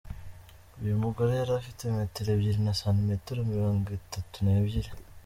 Uyu mugore yari afite metero ebyiri na santimetero mirongo itatu n’ebyiri.